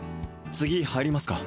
次入りますか？